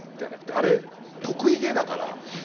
あれ得意げだから。